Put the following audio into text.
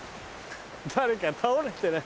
誰か倒れてない？